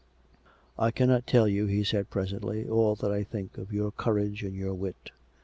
" I cannot tell you," he said presently, " all that I think of your courage and your wit.